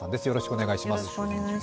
よろしくお願いします。